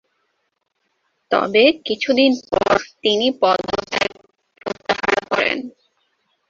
তবে কিছুদিন পর তিনি পদত্যাগ প্রত্যাহার করেন।